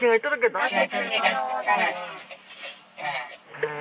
うん。